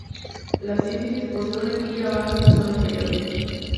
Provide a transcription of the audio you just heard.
La sínfisis posee una quilla baja en su zona inferior.